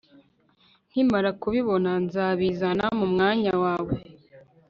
nkimara kubibona, nzabizana mu mwanya wawe